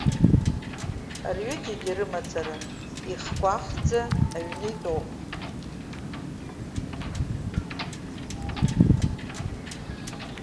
Рҩыџьагьы рымацара ихкәаахӡа аҩны итәоуп.